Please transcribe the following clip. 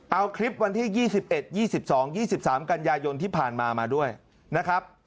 เอาคลิปวันที่๒๑๒๒๒๓กันยายนที่ผ่านมามาด้วยนะครับ